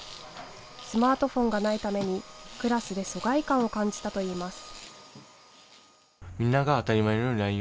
スマートフォンがないためにクラスで疎外感を感じたといいます。